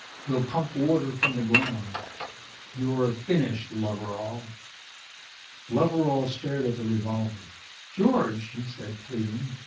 We'll pump water from the ground. You're finished, Loveral." Loveral stared at the revolver. "George," he said, pleading.